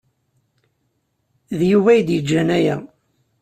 D Yuba ay d-yeǧǧan aya.